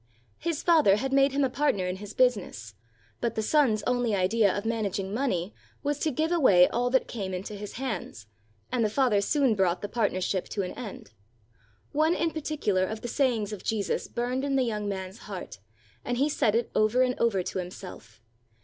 His father had made him a partner in his business; but the son's only idea of man aging money was to give away all that came into his hands, and the father soon brought the partnership to an end. One in particular of the sayings of Jesus burned in the young man's heart, and he said it over and over to himself.